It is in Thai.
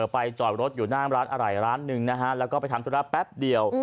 ไปจอดรถอยู่หน้าร้านอะไรร้านหนึ่งนะฮะแล้วก็ไปทำธุระแป๊บเดียว